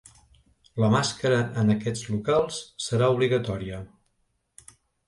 La màscara en aquests locals serà obligatòria.